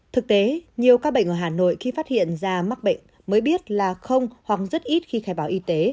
thực tế nhiều ca bệnh ở hà nội khi phát hiện da mắc bệnh mới biết là không hoặc rất ít khi khai báo y tế